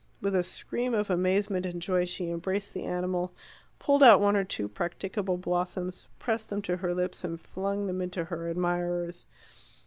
With a scream of amazement and joy she embraced the animal, pulled out one or two practicable blossoms, pressed them to her lips, and flung them into her admirers.